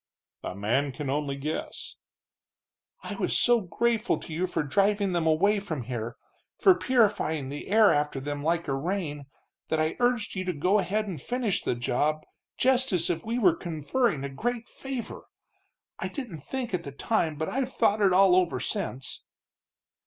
"A man can only guess." "I was so grateful to you for driving them away from here, for purifying the air after them like a rain, that I urged you to go ahead and finish the job, just as if we were conferring a great favor! I didn't think at the time, but I've thought it all over since."